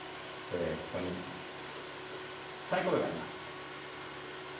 ここにサイコロがあります。